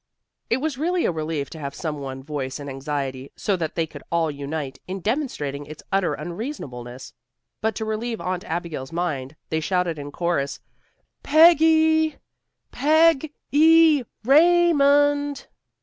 It was really a relief to have some one voice an anxiety so that they could all unite in demonstrating its utter unreasonableness. But to relieve Aunt Abigail's mind, they shouted in chorus, "Peggy! Peg gy Raymond!"